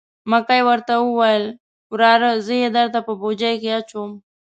مکۍ ورته وویل: وراره زه یې درته په بوجۍ کې اچوم.